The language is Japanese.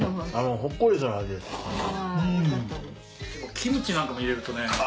キムチなんかも入れるとね